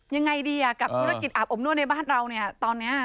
ยังไงดีกับธุรกิจอาบอบนวดในบ้านเราเนี่ยตอนนี้